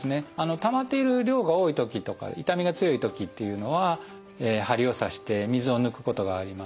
たまっている量が多い時とか痛みが強い時っていうのは針を刺して水を抜くことがあります。